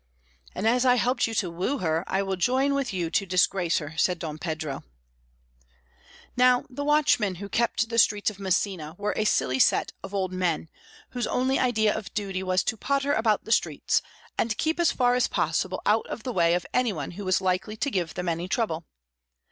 "And as I helped you to woo her, I will join with you to disgrace her," said Don Pedro. Now, the watchmen who kept the streets of Messina were a set of silly old men, whose only idea of duty was to potter about the streets, and keep as far as possible out of the way of anyone who was likely to give them any trouble.